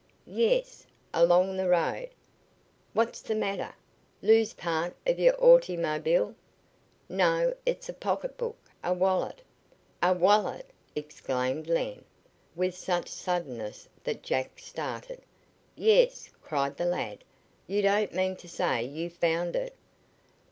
"Yes; along the road." "What's the matter? Lose part of your autymobil?" "No; it's a pocketbook a wallet." "A wallet?" exclaimed Lem, with such suddenness that Jack started. "Yes," cried the lad. "You don't mean to say you found it?"